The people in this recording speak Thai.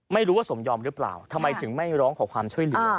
ไม่รู้ว่าสมยอมหรือเปล่าทำไมถึงไม่ร้องขอความช่วยเหลือ